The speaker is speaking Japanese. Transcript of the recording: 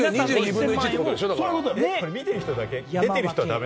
これ、見てる人だけ？